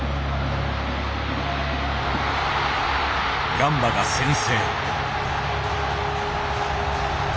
ガンバが先制。